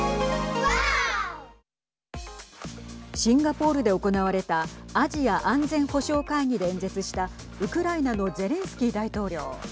シンガポールで行われたアジア安全保障会議で演説したウクライナのゼレンスキー大統領。